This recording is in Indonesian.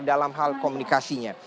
dalam hal komunikasinya